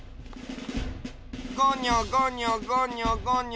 ごにょごにょごにょごにょ。